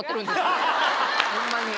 ホンマに。